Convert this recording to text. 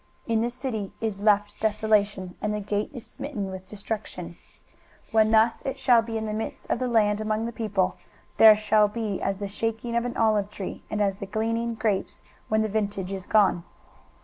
23:024:012 In the city is left desolation, and the gate is smitten with destruction. 23:024:013 When thus it shall be in the midst of the land among the people, there shall be as the shaking of an olive tree, and as the gleaning grapes when the vintage is done.